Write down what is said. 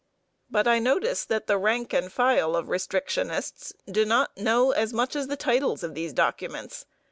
But I notice that the rank and file of restrictionists do not know as much as the titles of these documents.